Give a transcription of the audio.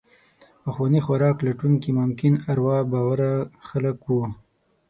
پخواني خوراک لټونکي ممکن اروا باوره خلک وو.